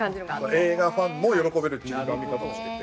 映画ファンも喜べるちりばめ方をしてて。